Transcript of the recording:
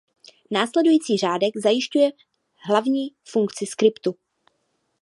Následující řádek zajišťuje hlavní funkci skriptu.